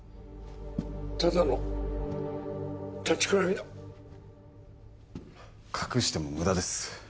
ただの立ちくらみだ隠しても無駄です